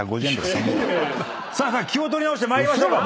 気を取り直して参りましょうか。